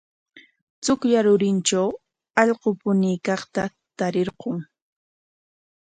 Chuklla rurintraw allqu puñuykaqta tarirqun.